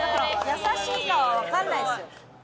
優しいかはわかんないですよ。